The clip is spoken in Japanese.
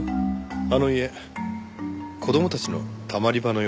あの家子供たちのたまり場のようですね。